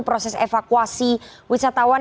proses evakuasi wisatawan